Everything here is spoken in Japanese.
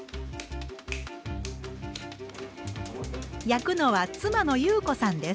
焼くのは妻の優子さんです。